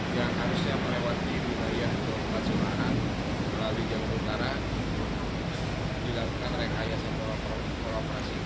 jadi melewati ketua ketua jogja harta solo